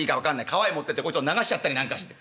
川へ持ってってこいつを流しちゃったりなんかして。